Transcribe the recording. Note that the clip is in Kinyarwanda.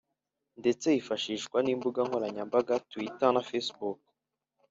ndetse hifashishwa nimbuga nkoranyambaga Twitter na Facebook